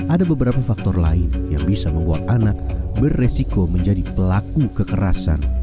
ada beberapa faktor lain yang bisa membuat anak beresiko menjadi pelaku kekerasan